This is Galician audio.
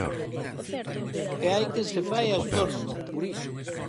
E hai quen se fai autónomo.